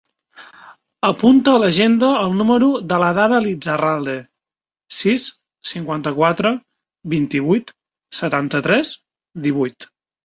Apunta a l'agenda el número de l'Adhara Lizarralde: sis, cinquanta-quatre, vint-i-vuit, setanta-tres, divuit.